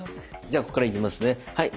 じゃあここからいきますねはい。